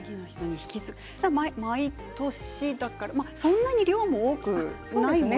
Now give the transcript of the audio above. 毎年ですからそんなに量も多くはないですよね。